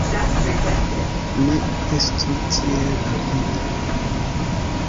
Ne estu tiel avida.